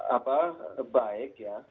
apa baik ya